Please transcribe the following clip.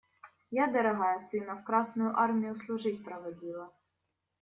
Я, дорогая, сына в Красную Армию служить проводила.